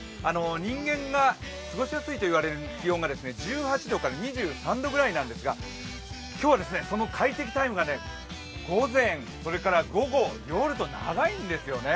人間がすごしやすいと言われる気温が１８度から２３度くらいなんですが、今日は快適タイムが午前、午後、夜と長いんですよね。